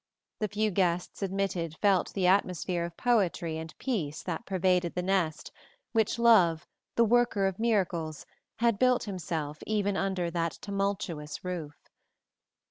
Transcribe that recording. The few guests admitted felt the atmosphere of poetry and peace that pervaded the nest which Love, the worker of miracles, had built himself even under that tumultuous roof.